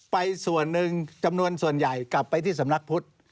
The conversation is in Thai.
ส่วนหนึ่งจำนวนส่วนใหญ่กลับไปที่สำนักพุทธ